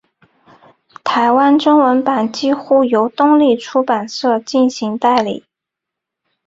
台湾中文版几乎由东立出版社进行代理。